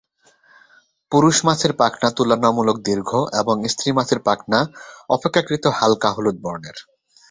পুরুষ মাছের পাখনা তুলনামূলক দীর্ঘ এবং স্ত্রী মাছের পাখনা অপেক্ষাকৃত হালকা হলুদ বর্ণের।